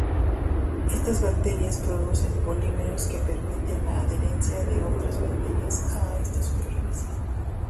Estas bacterias producen polímeros que permiten la adherencia de otras bacterias a esta superficie.